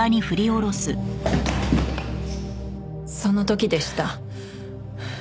その時でした。